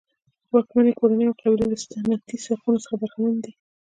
واکمنې کورنۍ او قبیلې له سنتي حقونو څخه برخمنې دي.